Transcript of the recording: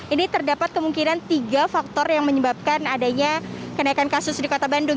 ini terdapat kemungkinan tiga faktor yang menyebabkan adanya kenaikan kasus di kota bandung